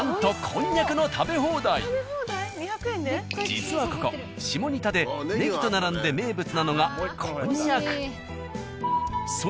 実はここ下仁田でネギと並んで名物なのがこんにゃく。